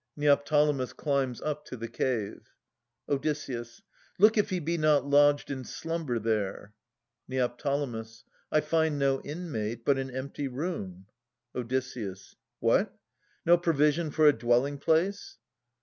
[Neoptolemus climbs up to the cave. Od. Look if he be not lodged in slumber there. Neo. I find no inmate, but an empty room. Od. What? no provision for a dwelling place?